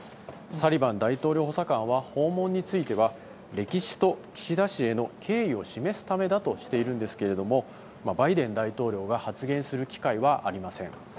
サリバン大統領補佐官は訪問については歴史と、岸田氏への敬意を示すためだとしているんですがバイデン大統領が発言する機会はありません。